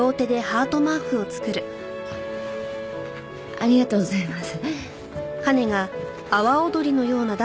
ありがとうございます。